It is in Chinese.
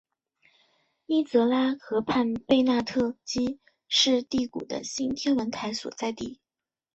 伊泽拉河畔贝纳特基是第谷的新天文台所在地。